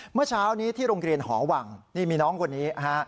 เมื่อเช้านี้ที่โรงเรียนหอวังนี่มีน้องคนนี้ฮะ